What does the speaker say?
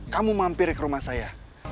kamu mampir ke rumah saya